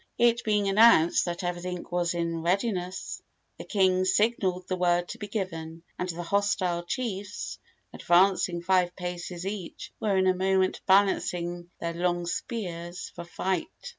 It being announced that everything was in readiness, the king signaled the word to be given, and the hostile chiefs, advancing five paces each, were in a moment balancing their long spears for flight.